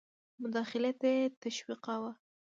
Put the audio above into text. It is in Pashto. مداخلې ته یې تشویقاوه.